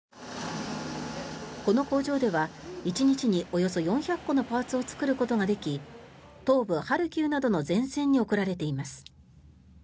この工場では１日におよそ４００個のパーツを作ることができ東部ハルキウなどの前線に送られています。